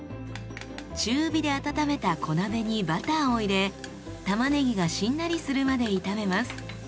中火で温めた小鍋にバターを入れたまねぎがしんなりするまで炒めます。